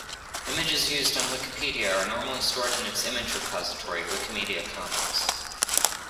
Images used on Wikipedia are normally stored in its image repository, Wikimedia Commons